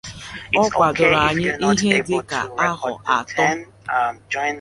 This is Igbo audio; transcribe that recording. Ọ kwàdòrò anyị ihe dịka ahọ atọ